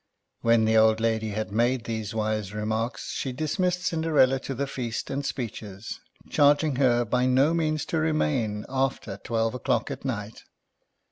When the old lady had made these wise remarks, she dismissed Cin derella, to the feast and speeches, charging her by no means to remain after twelve o'clock at night.